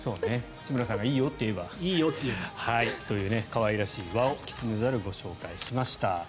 志村さんがよければ。という可愛らしいワオキツネザルをご紹介しました。